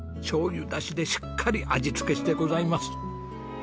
しょうゆダシでしっかり味付けしてございます。